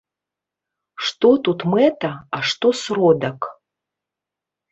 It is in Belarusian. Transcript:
Што тут мэта, а што сродак?